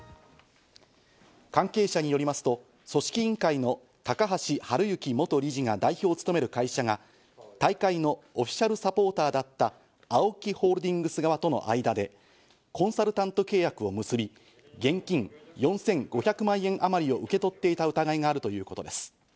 関係者によりますと、組織委員会の高橋治之元理事が代表を務める会社が大会のオフィシャルサポーターだったＡＯＫＩホールディングス側との間でコンサルタント契約を結び、現金およそ４５００万円あまりを受け取っていた疑いがあるということです。